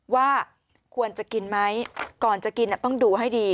ว่าควรจะกินไหมก่อนจะกินต้องดูให้ดี